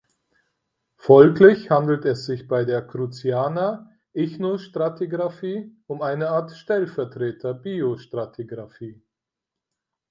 Folglich handelt es sich bei der "Cruziana"-Ichnostratigraphie um eine Art „Stellvertreter-Biostratigraphie“.